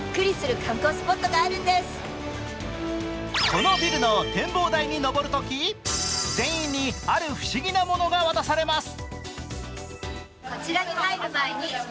このビルの展望台に上るとき、全員にある不思議なものが渡されます。